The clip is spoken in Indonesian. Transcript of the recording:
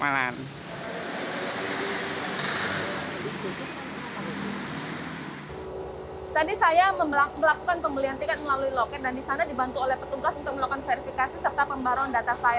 tadi saya melakukan pembelian tiket melalui loket dan di sana dibantu oleh petugas untuk melakukan verifikasi serta pembaruan data saya